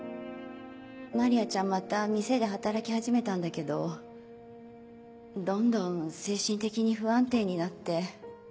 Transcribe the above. マリアちゃんまた店で働き始めたんだけどどんどん精神的に不安定になって。